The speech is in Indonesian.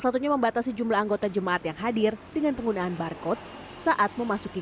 satunya membatasi jumlah anggota jemaat yang hadir dengan penggunaan barcode saat memasuki